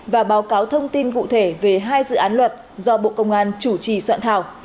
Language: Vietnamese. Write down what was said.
và báo cáo thông tin cụ thể về hai dự án luật do bộ công an chủ trì soạn thảo